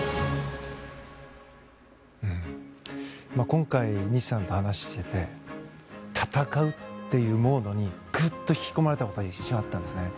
今回、西さんと話してみて戦うっていうモードにぐっと引き込まれたことが一瞬あったんですね。